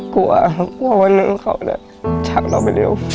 กลัวว่าเรื่องเขาจะจักรเราไปเร็ว